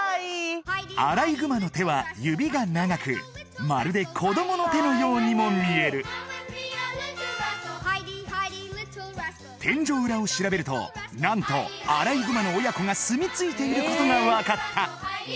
アライグマの手は指が長くまるで子どもの手のようにも見える天井裏を調べると何とアライグマの親子がすみついていることが分かった